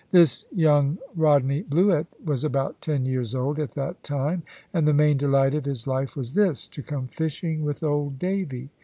This young Rodney Bluett was about ten years old at that time, and the main delight of his life was this, to come fishing with old Davy.